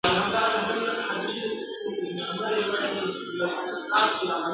دسرونو په کاسوکي !.